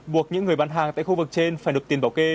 buộc những người bán hàng tại khu vực trên phải nộp tiền bảo kê